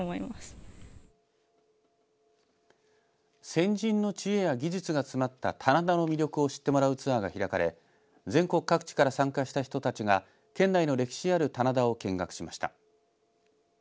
先人の知恵や技術が詰まった棚田の魅力を知ってもらうツアーが開かれ全国各地から参加した人たちが県内の歴史ある棚田を見学しました。